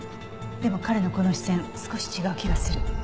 でも彼のこの視線少し違う気がする。